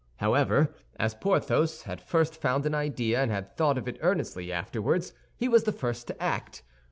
However, as Porthos had first found an idea, and had thought of it earnestly afterward, he was the first to act.